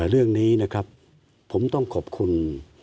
เรื่องนี้นะครับผมต้องขอบคุณ